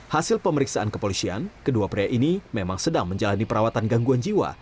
hasil pemeriksaan kepolisian kedua pria ini memang sedang menjalani perawatan gangguan jiwa